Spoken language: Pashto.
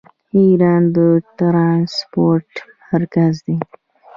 ایران د ټرانسپورټ مرکز دی.